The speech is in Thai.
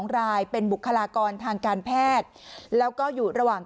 รายเป็นบุคลากรทางการแพทย์แล้วก็อยู่ระหว่าง